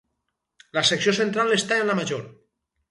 La secció central està en la major.